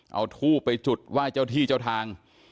เอาทูบไปจุดไหว้เจ้าที่เจ้าทาง